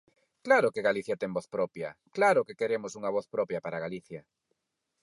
¡Claro que Galicia ten voz propia, claro que queremos unha voz propia para Galicia!